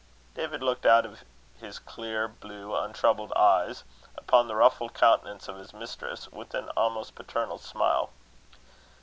David looked out of his clear, blue, untroubled eyes, upon the ruffled countenance of his mistress, with an almost paternal smile.